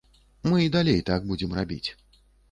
Мы і далей так будзем рабіць.